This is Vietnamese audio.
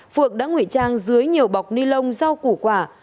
phượng đã ngủy trang dưới nhiều bọc ni lông do củ quả